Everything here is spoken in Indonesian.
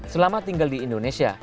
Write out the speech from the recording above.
selama tinggal di indonesia